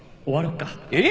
えっ！？